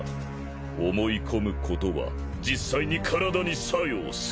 思い込むことは実際に体に作用する。